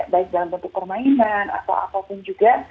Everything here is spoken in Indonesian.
baik dalam bentuk permainan atau apapun juga